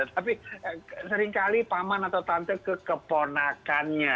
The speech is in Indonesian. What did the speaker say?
tapi seringkali paman atau tante ke keponakannya